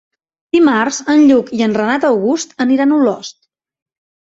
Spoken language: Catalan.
Dimarts en Lluc i en Renat August aniran a Olost.